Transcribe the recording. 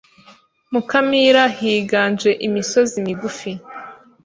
Mukamira higanje imisozi migufi.